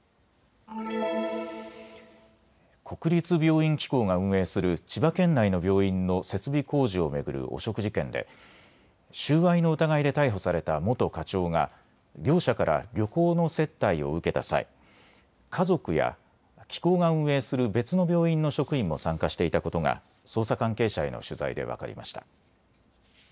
国立病院機構が運営する千葉県内の病院の設備工事を巡る汚職事件で収賄の疑いで逮捕された元課長が業者から旅行の接待を受けた際家族や機構が運営する別の病院の職員も参加していたことが捜査関係者への取材で分かりました。